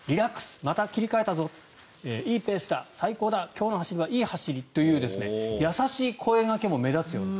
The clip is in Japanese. また切り替えたぞいいペースだ、最高だ今日の走りはいい走りというような優しい声掛けも目立つようになった。